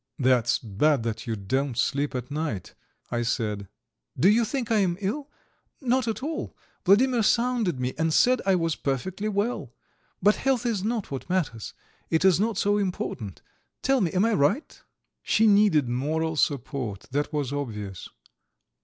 "That's bad that you don't sleep at night," I said. "Do you think I am ill? Not at all. Vladimir sounded me, and said I was perfectly well. But health is not what matters, it is not so important. Tell me: am I right?" She needed moral support, that was obvious.